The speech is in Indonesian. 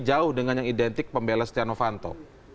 dari yang identik dengan yang identik pembelas stiano fanto